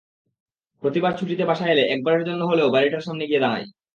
প্রতিবার ছুটিতে বাসায় এলে একবারের জন্য হলেও বাড়িটার সামনে গিয়ে দাঁড়াই।